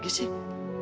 aku mau ke rumah